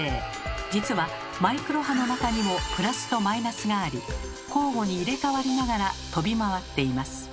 実はマイクロ波の中にもプラスとマイナスがあり交互に入れかわりながら飛び回っています。